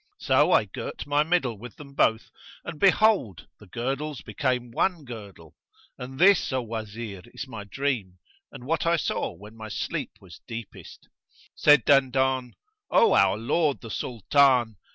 So I girt my middle with them both and behold, the girdles became one girdle; and this, O Wazir, is my dream and what I saw when my sleep was deepest." Said Dandan, "O our Lord the Sultan!